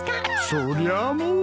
そりゃもう。